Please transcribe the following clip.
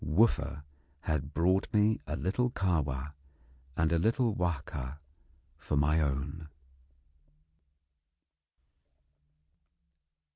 Wooffa had brought me a little Kahwa and a little Wahka for my own.